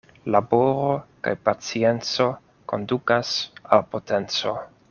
Laboro kaj pacienco kondukas al potenco.